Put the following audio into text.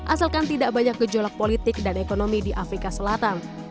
asalkan tidak banyak gejolak politik dan ekonomi di afrika selatan